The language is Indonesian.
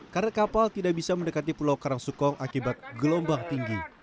karena kapal tidak bisa mendekati pulau karang sukong akibat gelombang tinggi